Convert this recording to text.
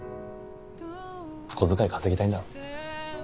小遣い稼ぎたいんだろ。